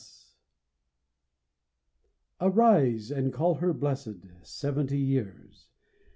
B. S. Arise, and call her blessed, seventy years!